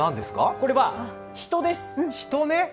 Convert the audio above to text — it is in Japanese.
これは人です。